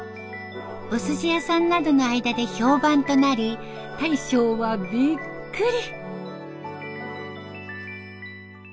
おすし屋さんなどの間で評判となり大将はびっくり。